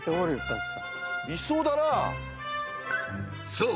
［そう。